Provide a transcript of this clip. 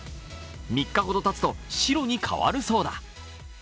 ３日ほどたつと白に変わるそうだ。